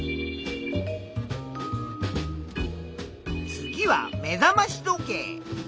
次は目覚まし時計。